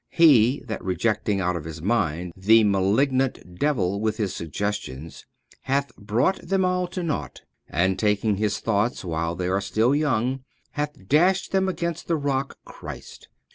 He that rejecting out of his mind the malignant devil with his suggestions, hath brought them all to nought, and taking his thoughts while they are still young, hath dashed them against the rock Christ.